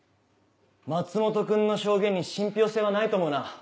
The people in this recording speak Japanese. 松本君の証言に信憑性はないと思うな。